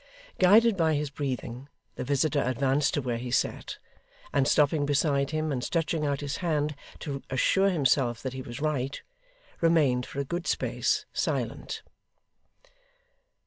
Guided by his breathing, the visitor advanced to where he sat; and stopping beside him, and stretching out his hand to assure himself that he was right, remained, for a good space, silent.